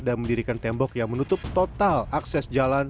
dan mendirikan tembok yang menutup total akses jalan